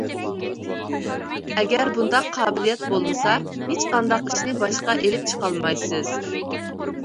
ئەگەر بۇنداق قابىلىيەت بولمىسا ھېچقانداق ئىشنى باشقا ئېلىپ چىقالمايسىز.